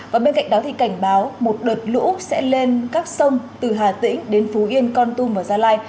và bên cạnh đó thì cảnh báo một đợt lũ sẽ lên các sông từ hà tĩnh đến phú yên con tum và gia lai